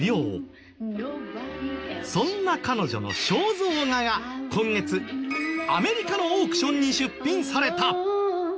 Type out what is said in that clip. そんな彼女の肖像画が今月アメリカのオークションに出品された。